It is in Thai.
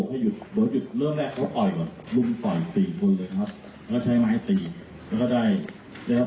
พูดถามสิ่งที่ให้การสุภาพนะครับ